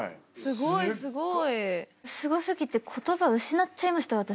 すご過ぎて言葉失っちゃいました私。